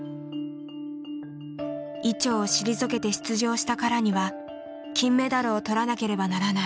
伊調を退けて出場したからには金メダルを取らなければならない。